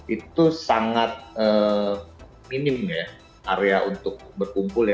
itu sangat minim ya area untuk berkumpul ya